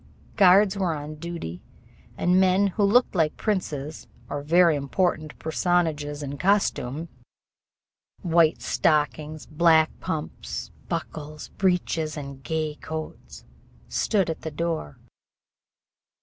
Guards were on duty, and men who looked like princes or very important personages in costume, white stockings, black pumps, buckles, breeches, and gay coats, stood at the door.